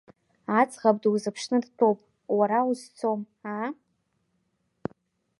Аӡӷаб дузԥшны дтәоуп, уара узцом, аа?